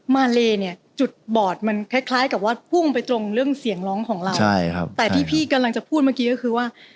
มาเลเนี่ยจุดบอดมันคล้ายคล้ายกับว่าพุ่งไปตรงเรื่องเสียงร้องของเราใช่ครับแต่ที่พี่กำลังจะพูดเมื่อกี้ก็คือว่า